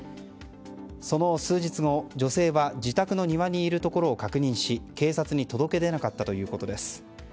その数日後女性は自宅の庭にいるところを確認し、警察に届け出なかったということです。